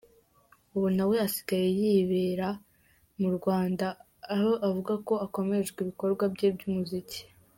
Ubu nawe asigaye yibera mu Rwanda, aho avuga ko akomereje ibikorwa bye by’umuziki.